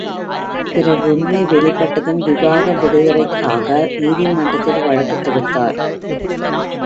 பிறகு உண்மை வெளிப்பட்டதும் விவாக விடுதலைக்காக நீதிமன்றத்தில் வழக்குத் தொடுத்தார்.